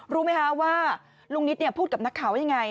รู้ไหมคะว่าลุงนิตพูดกับนักข่าวว่ายังไง